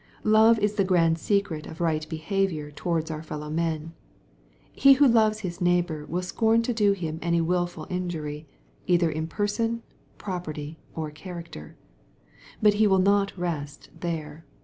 Love is the grand secret of right behavior towards our fellow men.. He who loves his neighbor will scorn to do him any wilful injury, either in person, property, or character. — But he will not rest there.